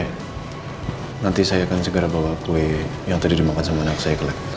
nanti saya akan segera bawa kue yang tadi dimakan sama anak saya kelek